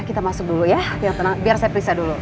kita masuk dulu ya biar saya periksa dulu